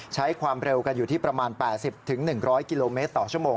ใช้ความเร็วกันอยู่ที่ประมาณ๘๐๑๐๐กิโลเมตรต่อชั่วโมง